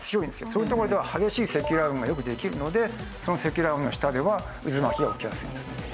そういう所では激しい積乱雲がよくできるのでその積乱雲の下では渦巻きが起きやすいんです。